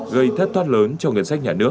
gây thất thoát lớn trong ngân sách nhà nước